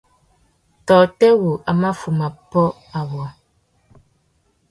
Tôtê wu a mà fuma pôt awô ?